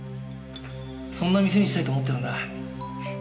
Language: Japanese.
そんな店にしたいと思ってるんだ。